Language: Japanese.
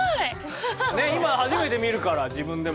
今初めて見るから自分でも。